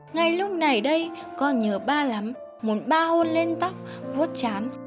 ngay lúc này đây con nhớ ba lắm muốn ba hôn lên tóc vốt chán